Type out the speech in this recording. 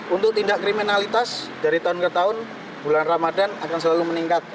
untuk tindak kriminalitas dari tahun ke tahun bulan ramadan akan selalu meningkat